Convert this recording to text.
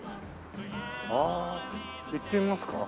ああ行ってみますか？